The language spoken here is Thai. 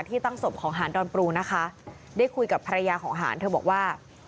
ตั้งศพของหานดอนปรูนะคะได้คุยกับภรรยาของหารเธอบอกว่า